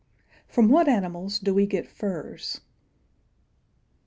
From what animals do we get furs?